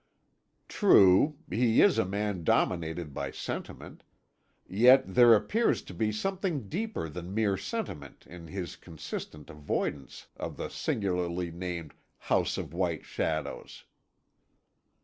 "True; he is a man dominated by sentiment; yet there appears to be something deeper than mere sentiment in his consistent avoidance of the singularly named House of White Shadows."